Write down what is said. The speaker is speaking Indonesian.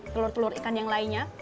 telur telur ikan yang lainnya